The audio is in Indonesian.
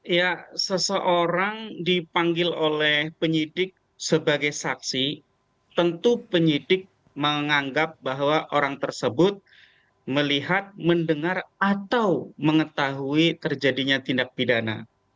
ya seseorang dipanggil oleh penyidik sebagai saksi tentu penyidik menganggap bahwa orang tersebut melihat mendengar atau mengetahui terjadinya tindak pidana